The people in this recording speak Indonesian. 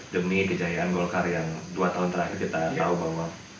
demi kejayaan golkar yang dua tahun terakhir kita tahu bahwa